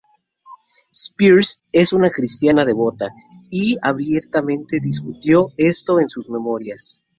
Spears es una cristiana devota, y abiertamente discutió esto en sus memorias.